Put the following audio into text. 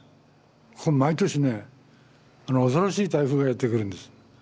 毎年ね恐ろしい台風がやって来るんです。